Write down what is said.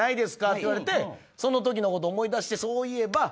って言われてその時のこと思い出してそういえば。